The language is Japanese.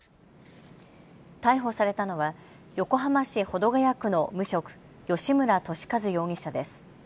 逮捕されたのは横浜市保土ケ谷区の無職、吉村敏和容疑者です。